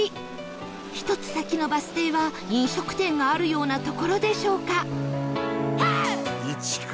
１つ先のバス停は飲食店があるような所でしょうか？